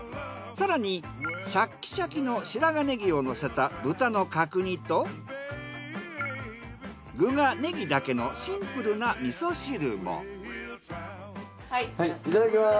更にシャキシャキの白髪ねぎを乗せた豚の角煮と具がねぎだけのシンプルな味噌汁も。